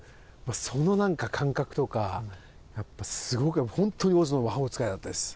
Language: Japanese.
そのなんか感覚とかやっぱすごく本当にオズの魔法使いだったです。